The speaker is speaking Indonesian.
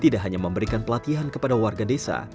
tidak hanya memberikan pelatihan kepada warga desa